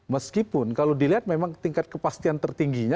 meskipun kalau dilihat memang tingkat kepastian tertingginya